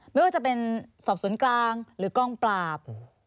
ไม่ว่าจะเป็นสรรพศูนย์กลางหรือกล้องปราบ